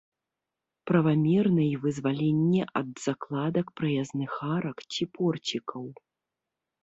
Правамерна і вызваленне ад закладак праязных арак ці порцікаў.